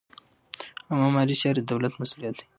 عامه مالي چارې د دولت مسوولیت دی.